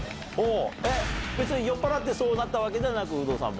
えっ、別に酔っぱらってそうなったわけじゃなく、有働さんも。